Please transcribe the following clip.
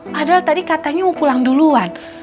padahal tadi katanya mau pulang duluan